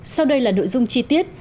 sau đây là nội dung chi tiết